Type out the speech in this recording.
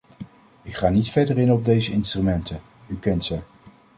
Ik ga niet verder in op deze instrumenten - u kent ze.